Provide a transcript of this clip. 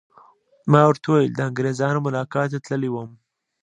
ما ورته وویل: د انګریزانو ملاقات ته تللی وم.